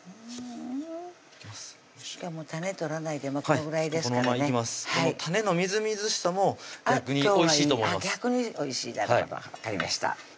今日はもう種取らないでこのぐらいですからね種のみずみずしさも逆においしいと思います逆においしいだろうと分かりました